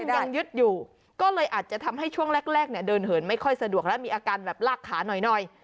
ยังยึดอยู่ก็เลยอาจจะทำให้ช่วงแรกเนี่ยเดินเหินไม่ค่อยสะดวกและมีอาการแบบลากขาหน่อย